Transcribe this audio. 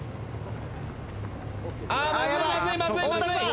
まずいまずいまずいまずい！